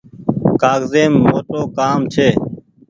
ڪآگز يم موٽو ڪآم ڇي۔